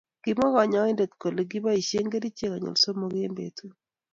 Kimwa kanyointet kole kiboisie keriche konyil somok eng betut.